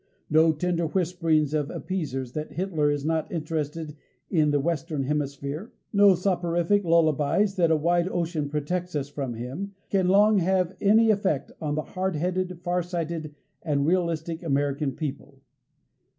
No tender whisperings of appeasers that Hitler is not interested in the Western Hemisphere, no soporific lullabies that a wide ocean protects us from him can long have any effect on the hard headed, far sighted and realistic American people.